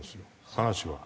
話は。